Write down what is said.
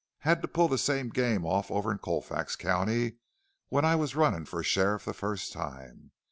Had to pull the same game off over in Colfax County when I was runnin' for sheriff the first time.